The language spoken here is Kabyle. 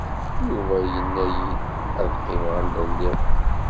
Yuba yenna-id ad qqimeɣ anda lliɣ.